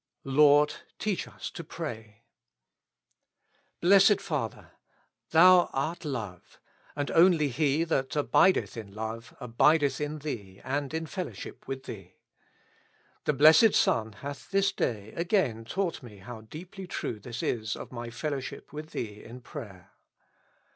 "Lord, teach us to prav." Blessed Father 1 Thou art Love, and only he that abideth in love abideth in Thee and in fellowship with Thee. The Blessed Son hath this day again taught me how deeply true this is of my fellowship with Thee in prayer.